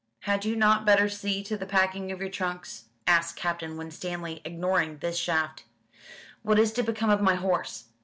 "Had you not better see to the packing of your trunks?" asked Captain Winstanley, ignoring this shaft. "What is to become of my horse?"